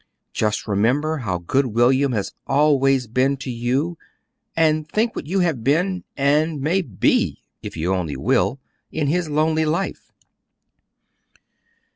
"Just remember how good William has always been to you, and think what you have been, and may BE if you only will in his lonely life.